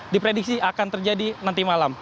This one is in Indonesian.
diprediksi akan terjadi nanti malam